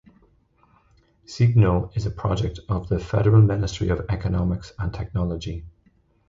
Signo is a project of the Federal Ministry of Economics and Technology.